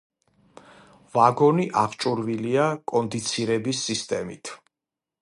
ვაგონი აღჭურვილია კონდიცირების სისტემით.